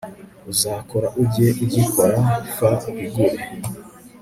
uzakora ujye ugikora f uhigure